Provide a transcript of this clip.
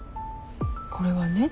これはね